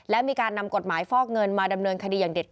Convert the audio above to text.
และมีการนำกฎหมายฟอกเงินมาดำเนินคดีอย่างเด็ด